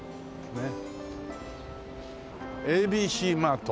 ねえ。